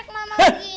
ayah ikut tidur